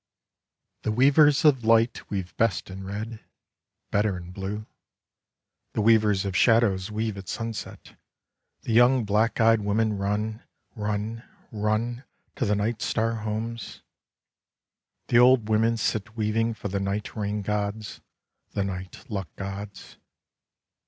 The weavers of light weave best in red, better in blue. The weavers of shadows weave at sunset; the young black eyed women run, run, run to the night star homes; the old women sit weaving for the night rain gods, the night luck gods.